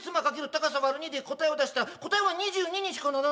高さ÷２で答えを出したら答えは２２にしかならないんです